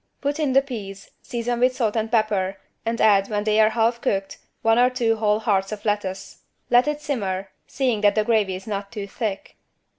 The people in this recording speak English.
Put in the peas, season with salt and pepper and add, when they are half cooked, one or two whole hearts of lettuce. Let it simmer, seeing that the gravy is not too thick.